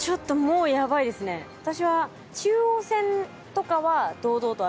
私は。